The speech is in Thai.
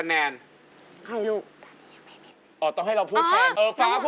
เยี่ยมหลุมกันด้วยนะ